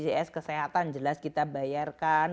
untuk bpjs kesehatan jelas kita bayarkan